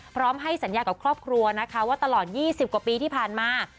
พร้อมให้สัญญากับครอบครัวนะคะว่าตลอด๒๐กว่าปีที่ผ่านมา